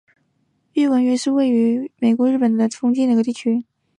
奥文约是位于美国加利福尼亚州因约县的一个非建制地区。